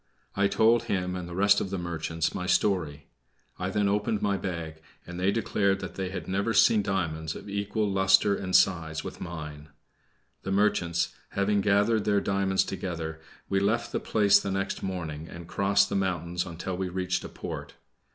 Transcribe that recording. I told him and the rest of the merchants my story. I then opened my bag, and they declared that they had never seen diamonds of equal luster and size with mine. The merchants having gathered their diamonds together, we left the place the next morning, and crossed the mountains until we reached a port.